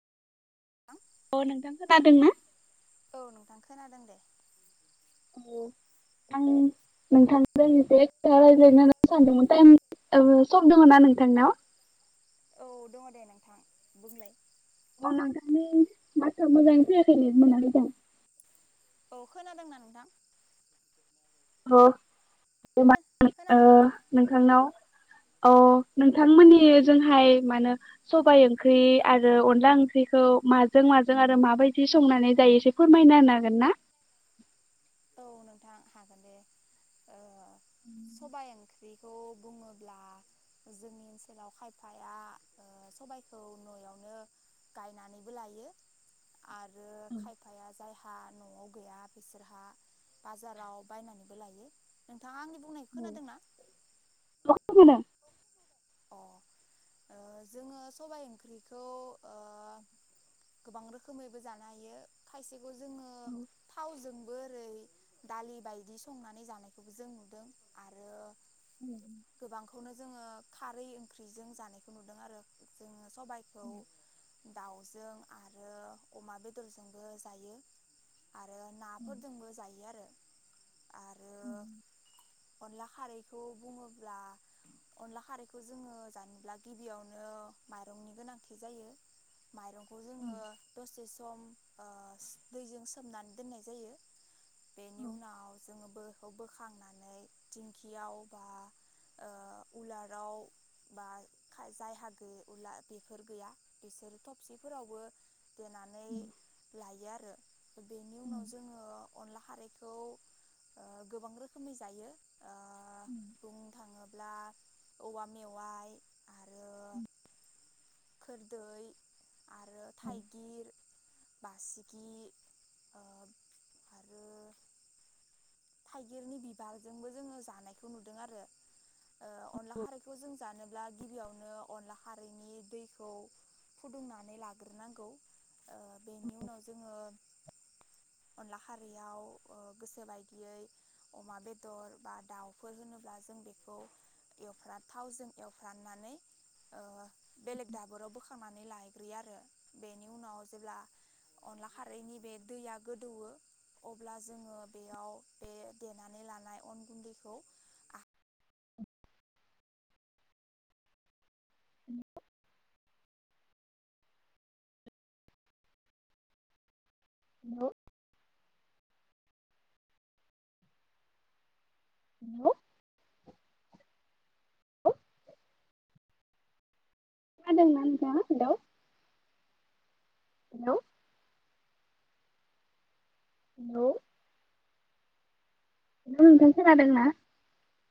औ अ नोंथां खोनादों ना? औ नोंथां खोनादों दे। औ आं नोंथां एसे रायज्लायनो होनना सानदोंमोन टाइम सम दंङ' ना नोंथांनाव? औ दङ' दे नोंथां बुंलाय। औ नोंथांनि माथोआ मोजाङै खोनाफैनो मोनाखै नोंथां। औ खोनादोंना नोंथां? अह। [unintelligible] ओ खोनादोंना? नोंथांनाव। अ नोंथांमोननि जोंहाय मा होनो सबाइ ओंख्रि आरो अनला ओंख्रिखौ माजों माजों आरो माबायदि संनानै जायो एसे फोरमायना होनागोन ना? औ नोंथां हागोन दे औ। सबाय ओंख्रि बेखौ बुंङोब्ला जोंनि ओनसोलाव खायफाया सबायखौ न'आवनो गायनानैबो लायो। आरो खायफाया जाय हा न'आव गैया बिसोरहा बाजाराव बायनानैबो लायो नोंथांङा आंनि बुंनायखौ औ खोनादोंना? खोनादों। अह ओ जोङो सबाय ओंख्रिखौ ओ गोबां रोखोमैबो जानो हायो खायसेखौ जोंङो औ। जोंबो ओरै दालि बायदि संनानै जानायखौबो जों नुदों आरो औ। जोंङो खारै ओंख्रिजों जानायखौ नुदों आरो जोंङो सबायखौ दाउजों आरो अमा बेदरजोंबो जायो। आरो नाफोरदोंबो जायो आरो आरो उम। अनला खारैखौ बुङोब्ला अनला खारै खौ जोङो जानोब्ला गिबियावनो माइरंनि गोनांथि जायो। माइरं औ। दसे सम ओ दैजों सोमनानै दोननाय जायो। बेनि उनाव जोङो बो खौ बोखांनानै दिंखियाव बा ओ उलार आव बा खा जायहा गो उला बेफोर गैया बिसोर थबसिफोरावबो देनानै लायो आ [unintelligible] बेनि उनाव जोङो अनला खारैखौ ओ गोबां रोखोमनि जायो ओ [inaudible] नङाब्ला औवा मेवाइ आरो खोरदै आरो थाइगिर बासिगि ओ आरो थाइगिरनि बिबारजोंबो जोङो जानायखौ नुदों आरो ओ अनला खारैखौ जों जानो ब्ला गिबियावनो अनला खारैनि दैखौ फुदुंनानै लाग्रोनांगौ। ओ बेनि उनाव जोङो अनला खारैयाव ओ गोसोबाय दियै अमा बेदर बा दाउफोर होनोब्ला जों बेखौ एवफ्राम थावजों एवफ्रामनानै ओ बेलेग दाबोराव बोखांनानै ला ग्रोयो आरो बेनि उनाव जेब्ला अनला खारैनि बे दैया गोदौवो अब्ला जोङो बेयाव बे देनानै लानाय अन गुन्दैखौ आ हेलौ हेलौ खोनादोंं ना नोंथाङा? हेलौ हेलौ हेलौ हेलौ नोंथां खोनादों ना?